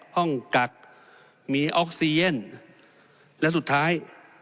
กักมีออกซีเย็นและสุดท้าย